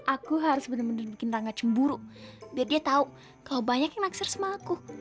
aku harus bener bener bikin rangga cemburu biar dia tau kalau banyak yang naksir sama aku